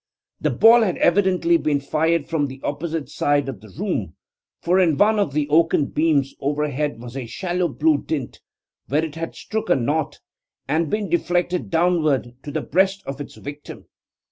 The ball had evidently been fired from the opposite side of the room, for in one of the oaken beams overhead was a shallow blue dint, where it had struck a knot and been deflected downward to the breast of its victim.